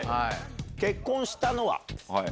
結婚したのは？